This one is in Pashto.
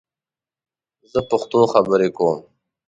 زه پښتو خبرې کوم